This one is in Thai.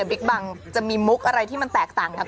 บิ๊กบังจะมีมุกอะไรที่มันแตกต่างกัน